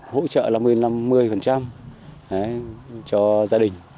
hỗ trợ năm mươi năm mươi cho gia đình